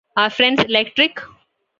Are 'Friends' Electric?